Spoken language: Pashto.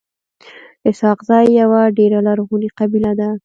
اسحق زی يوه ډيره لرغوني قبیله ده.